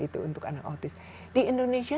itu untuk anak autis di indonesia